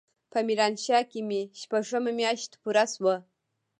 په ميرانشاه کښې مې شپږمه مياشت پوره سوه.